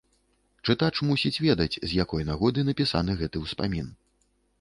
Чытач мусіць ведаць, з якой нагоды напісаны гэты ўспамін.